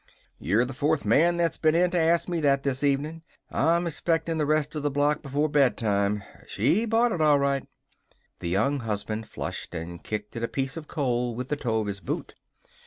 "You're the fourth man that's been in to ask me that this evening. I'm expecting the rest of the block before bedtime. She bought it all right." The Young Husband flushed and kicked at a piece of coal with the toe of his boot.